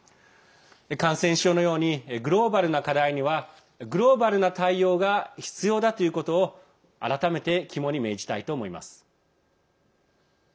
感染症のようにグローバルな課題にはグローバルな対応が必要だということを改めて肝に銘じたいと思います。